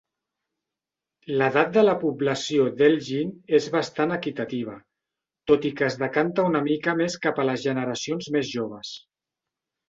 L'edat de la població d'Elgin és bastant equitativa, tot i que es decanta una mica més cap a les generacions més joves.